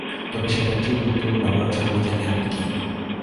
তবে সেটার চেয়েও গুরুত্বপূর্ণ ব্যাপার হচ্ছে, আমি জানি আপনি কী!